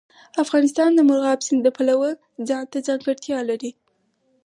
افغانستان د مورغاب سیند د پلوه ځانته ځانګړتیا لري.